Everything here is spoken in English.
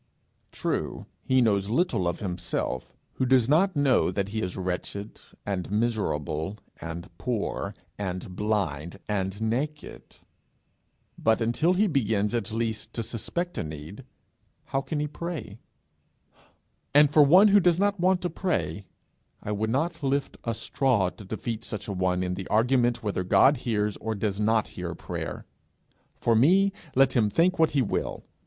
True, he knows little of himself who does not know that he is wretched, and miserable, and poor, and blind, and naked; but until he begins at least to suspect a need, how can he pray? And for one who does not want to pray, I would not lift a straw to defeat such a one in the argument whether God hears or does not hear prayer: for me, let him think what he will!